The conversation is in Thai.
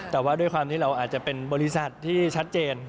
แต่ว่าด้วยความที่เราอาจจะเป็นบริษัทที่ชัดเจน